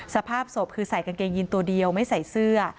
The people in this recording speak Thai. สภาพศพคือใส่กางเกงยีนตัวเดียวไม่ใส่เสื้อ